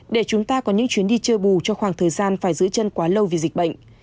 để chúng ta có những chuyến đi chơi bù cho khoảng thời gian phải giữ chân quá lâu vì dịch bệnh